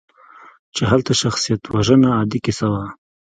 چې هلته شخصیتوژنه عادي کیسه وه.